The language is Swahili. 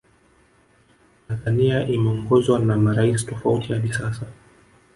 Tanzania imeongozwa na maraisi tofauti hadi sasa